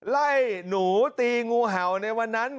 ไล่หนูตีงูเห่าในวันนั้น